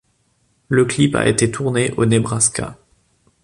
Le clip a été tourné au Nebraska.